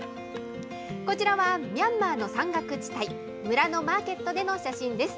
こちらはミャンマーの山岳地帯、村のマーケットでの写真です。